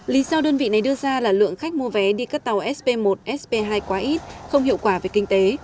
lý do đơn vị này đưa ra là lượng khách mua vé đi các tàu sp một sp hai quá ít không hiệu quả về kinh tế